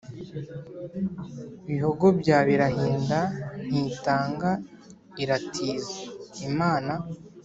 Bihogo bya Birahinda ntitanga iratiza.-Imana.